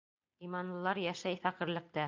Иманлылар йәшәй фәҡирлектә